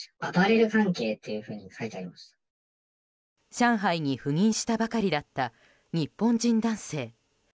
上海に赴任したばかりだった日本人男性。